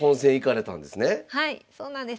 はいそうなんです。